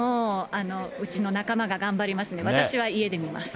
うちの仲間が頑張りますんで、私は家で見ます。